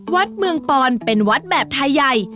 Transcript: วัดเมืองปอนเป็นวัดแบบไทยใหญ่